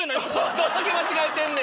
どんだけ間違えてんねん。